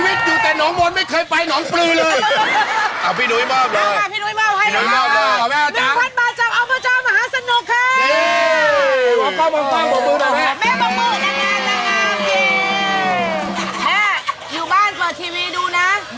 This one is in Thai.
อยู่บ้านเปิดทีวีดูนะ